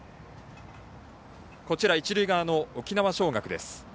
一塁側の沖縄尚学です。